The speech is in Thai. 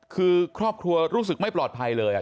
คือครอบครัวรู้สึกไม่ปลอดภัยเลย